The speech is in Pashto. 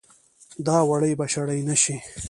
دا وړۍ به شړۍ نه شي